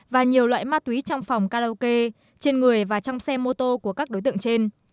và nhiều loại ma túy trong phòng karaoke trên người và trong xe mô tô của các đối tượng trên